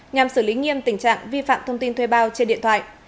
nhằm xử lý nghiêm tình trạng vi phạm thông tin thuê bao trên điện thoại